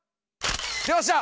よっしゃ！